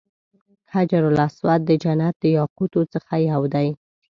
حجر اسود د جنت د یاقوتو څخه یو دی.